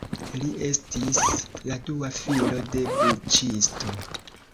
Li estis la dua filo de buĉisto.